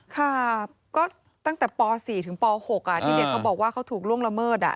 ค่ะก็ตั้งแต่ป๔ถึงป๖ที่เด็กเขาบอกว่าเขาถูกล่วงละเมิด